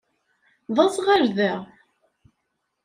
D aẓɣal da.